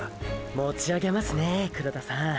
もち上げますねェ黒田さん。